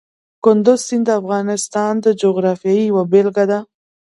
کندز سیند د افغانستان د جغرافیې یوه بېلګه ده.